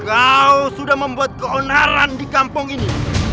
kau sudah membuat keonaran di kampung ini